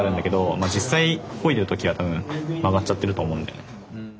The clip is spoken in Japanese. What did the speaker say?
まあ実際漕いでる時は多分曲がっちゃってると思うんだよね。